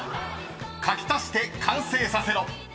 ［描き足して完成させろ］